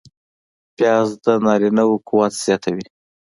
پیاز د نارینه و قوت زیاتوي